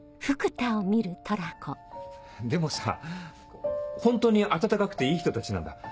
でもさホントに温かくていい人たちなんだ。